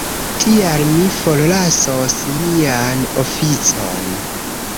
Tial mi forlasos mian oficon.